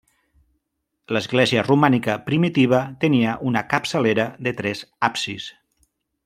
L'església romànica primitiva tenia una capçalera de tres absis.